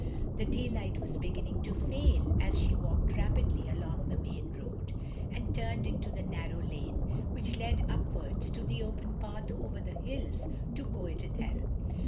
The daylight was beginning to fail as she walked rapidly along the main road, and ttimed into the narrow lane, which led upwards to the open path over the hills to Coed Ithel.